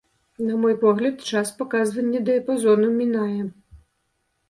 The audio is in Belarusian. На мой погляд, час паказвання дыяпазону мінае.